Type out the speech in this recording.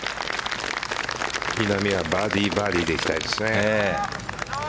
稲見はバーディーバーディーでいきたいですね。